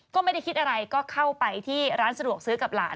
ก็ไม่ได้คิดอะไรก็เข้าไปที่ร้านสะดวกซื้อกับหลาน